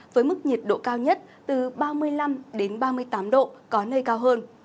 với mức nhiệt độ cao nhất từ ba mươi năm ba mươi tám độ có nơi cao hơn